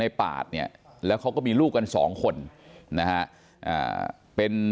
ปาดเนี่ยแล้วเขาก็มีลูกกันสองคนนะฮะเป็น